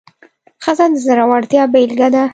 ښځه د زړورتیا بیلګه ده.